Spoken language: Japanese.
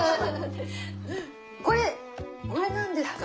これこれ何ですか？